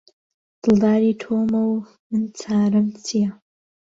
دڵداری تۆمە و من چارەم چیە؟